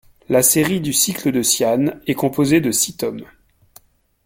La série du Cycle de Cyann est composée de six tomes.